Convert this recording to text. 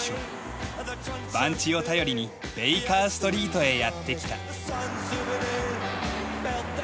番地を頼りにベイカー・ストリートへやって来た。